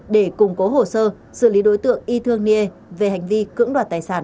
để củng cố hồ sơ xử lý đối tượng y thương ne về hành vi cưỡng đoạt tài sản